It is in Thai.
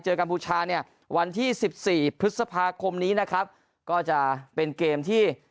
กัมพูชาเนี่ยวันที่สิบสี่พฤษภาคมนี้นะครับก็จะเป็นเกมที่